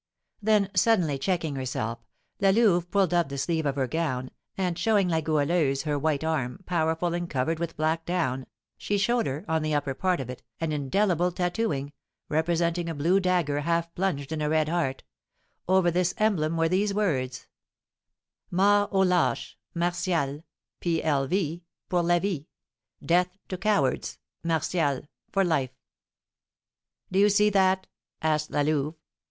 Then suddenly checking herself, La Louve pulled up the sleeve of her gown, and showing La Goualeuse her white arm, powerful, and covered with black down, she showed her, on the upper part of it, an indelible tattooing, representing a blue dagger half plunged in a red heart; over this emblem were these words: MORT AUX LÂCHES! MARTIAL P. L. V. (pour la vie.) (DEATH TO COWARDS! MARTIAL FOR LIFE!) "Do you see that?" asked La Louve.